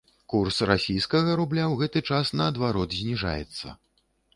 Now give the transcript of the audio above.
Курс расійскага рубля ў гэты час наадварот зніжаецца.